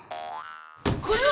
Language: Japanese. これは！